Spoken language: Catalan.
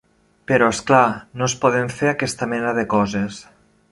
Però, és clar, no es poden fer aquesta mena de coses.